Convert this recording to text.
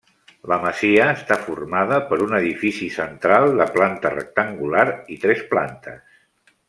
La masia està formada per un edifici central de planta rectangular i tres plantes.